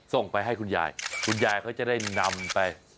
ส่งไปให้คุณยายคุณยายเขาจะได้นำไป